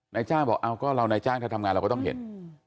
นายจ้างบอกเอาก็เรานายจ้างถ้าทำงานเราก็ต้องเห็น